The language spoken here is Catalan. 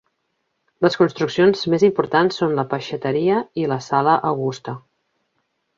Les construccions més importants són la peixateria i la Sala Augusta.